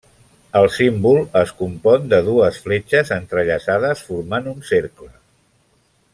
El símbol es compon de dues fletxes entrellaçades formant un cercle.